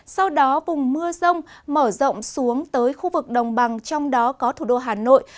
sau đó vùng mưa rông mở rộng xuống tới khu vực đồng bằng trong đó có thủ đô hà nội